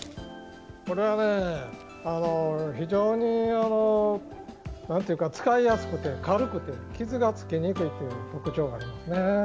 これはね非常に使いやすくて軽くて傷がつきにくいという特徴がありますね。